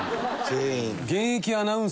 全員。